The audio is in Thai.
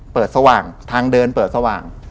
สว่างทางเดินเปิดสว่าง